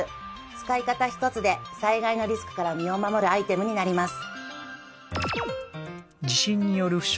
使い方ひとつで災害のリスクから身を守るアイテムになります。